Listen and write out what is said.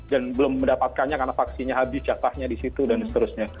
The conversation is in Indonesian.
dan belum mendapatkannya karena vaksinnya habis jatahnya di situ dan seterusnya